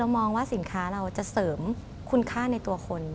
มองว่าสินค้าเราจะเสริมคุณค่าในตัวคน